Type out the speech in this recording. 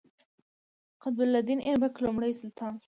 قطب الدین ایبک لومړی سلطان شو.